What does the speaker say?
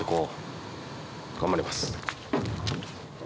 頑張ります！